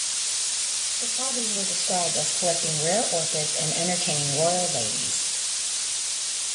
His hobbies were described as collecting rare orchids and entertaining royal ladies.